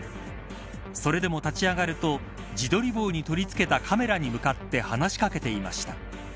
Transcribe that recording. それでも立ち上がると自撮り棒に取り付けたカメラに向かって、話し掛けていました。